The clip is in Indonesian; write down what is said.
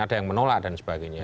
ada yang menolak dan sebagainya